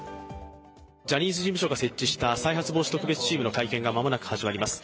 ジャニーズ事務所が設置した再発防止特別チームの会見が間もなく始まります。